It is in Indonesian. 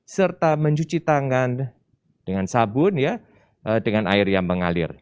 serta mencuci tangan dengan sabun dengan air yang mengalir